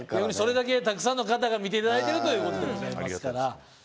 それだけたくさんの方が見ていただいてるということですから。